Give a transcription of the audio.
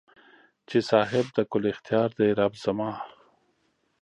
چې صاحب د کل اختیار دې رب زما